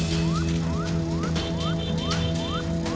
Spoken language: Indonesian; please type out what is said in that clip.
jalan tol trans sumatra